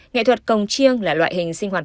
nghệ thuật cồng chiêng là loại hình sinh hoạt